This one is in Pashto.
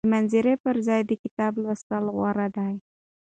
د مناظرې پر ځای د کتاب لوستل غوره دي.